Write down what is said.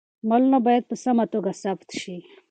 مالونه باید په سمه توګه ثبت شي.